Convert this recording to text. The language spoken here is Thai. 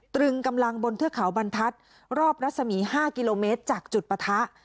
ตรึงกำลังบนเทือกเขาบรรทัศน์รอบรัศมี๕กิโลเมตรจากจุดปะทะ